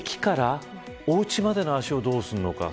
ただ、駅からおうちまでの足をどうするのか。